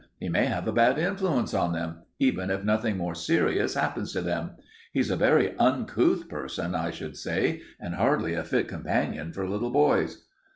He may have a bad influence on them, even if nothing more serious happens to them. He's a very uncouth person, I should say, and hardly a fit companion for little boys."